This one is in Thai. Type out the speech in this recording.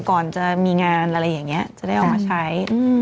ก่อนจะมีงานอะไรอย่างนี้จะได้เอามาใช้